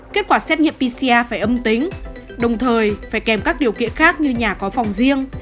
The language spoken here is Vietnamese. kết quả xét nghiệm pcr phải âm tính đồng thời phải kèm các điều kiện khác như nhà có phòng riêng